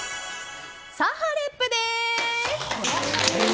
サハレップです。